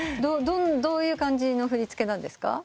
どういう感じの振り付けですか？